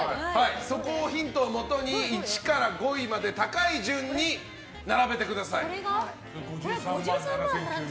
そのヒントをもとに１位から５位まで高い順に並べてください。